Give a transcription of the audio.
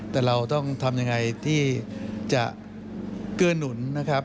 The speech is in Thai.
แต่เราต้องทำอย่างไรที่จะเกื้อนหนุน